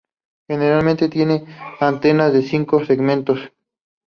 Generalmente tienen antenas de cinco segmentos.